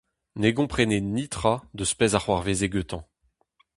Ne gomprene netra eus 'pezh a c'hoarveze gantañ.